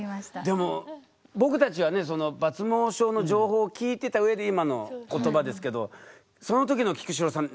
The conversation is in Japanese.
でも僕たちはね抜毛症の情報を聞いてた上で今の言葉ですけどそのときの菊紫郎さん